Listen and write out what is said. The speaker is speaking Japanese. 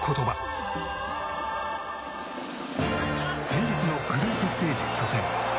先日のグループステージ初戦。